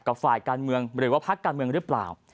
ฝ่ายการเมืองหรือว่าพักการเมืองหรือเปล่า